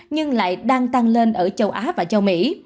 nhưng lại đang tăng lên ở châu á và châu mỹ